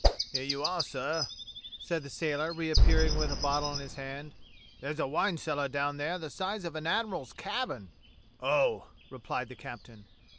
"Here you are, sir," said the sailor, reappearing with a bottle in his hand. " There's a wine cellar down there the size of an admiral's cabin." "Oh!" replied the captain.